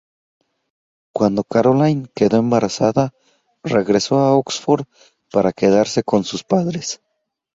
Cuando Caroline quedó embarazada, regresó a Oxford para quedarse con sus padres.